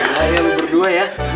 wah ya lu berdua ya